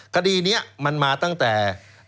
คดีนี้มันมาตั้งแต่